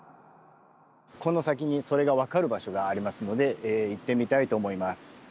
この先にそれが分かる場所がありますので行ってみたいと思います。